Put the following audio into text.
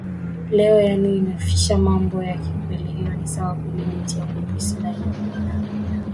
leo yaani ananificha mambo yake kweli Hiyo ni sawa kweli binti yangu Priscilla alimuinamia